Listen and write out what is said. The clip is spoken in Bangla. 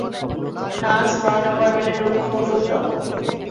নার্স, নয় নাম্বার বেডের রোগীকে ঔষধ দাও।